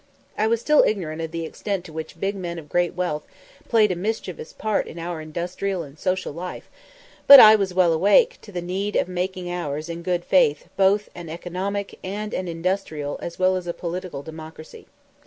I was still ignorant of the extent to which big men of great wealth played a mischievous part in our industrial and social life, but I was well awake to the need of making ours in good faith both an economic and an industrial as well as a political democracy.